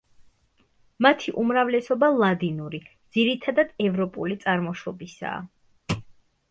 მათი უმრავლესობა ლადინური, ძირითადად ევროპული წარმოშობისაა.